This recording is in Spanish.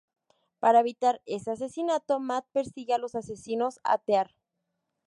Para evitar ese asesinato, Mat persigue a los asesinos a Tear.